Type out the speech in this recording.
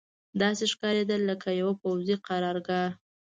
داسې ښکارېدل لکه یوه پوځي قرارګاه.